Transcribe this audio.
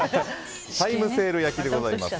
タイムセール焼きでございます。